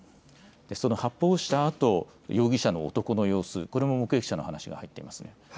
発砲したあと容疑者の男の様子、これも目撃者の話が入っていますね。